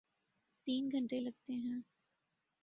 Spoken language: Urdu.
تین گھنٹے لگتے ہیں۔